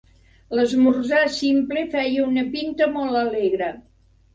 L'esmorzar simple feia una pinta molt alegre.